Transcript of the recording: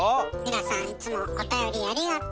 皆さんいつもおたよりありがと！